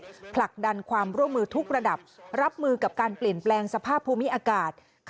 ผลักดันความร่วมมือทุกระดับรับมือกับการเปลี่ยนแปลงสภาพภูมิอากาศ